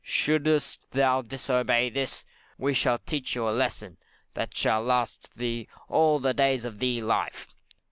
Should'st thou disobey in this, we shall teach you a lesson that shall last thee all the days of thy life.